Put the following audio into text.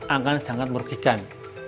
akan sangat merugikan